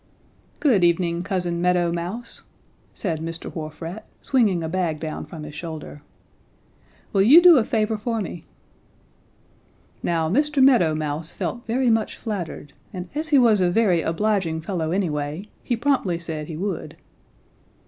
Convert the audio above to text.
"'Good evening, Cousin Meadow Mouse,' said Mr. Wharf Rat, swinging a bag down from his shoulder. 'Will you do a favor for me?' "Now Mr. Meadow Mouse felt very much flattered, and as he was a very obliging fellow anyway, he promptly said he would.